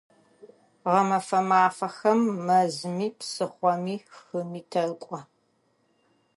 Гъэмэфэ мафэхэм мэзыми, псыхъоми, хыми тэкӀо.